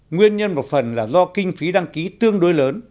nguyên nhân một phần là do kinh phí đăng ký tương đối lớn